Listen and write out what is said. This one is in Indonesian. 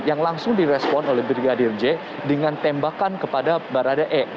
yang langsung direspon oleh brigadir j dengan tembakan kepada barada e